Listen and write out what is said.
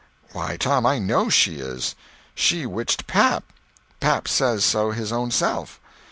Why, Tom, I know she is. She witched pap. Pap says so his own self.